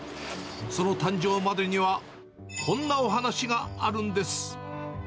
その誕生までにはこんなお話があるんです。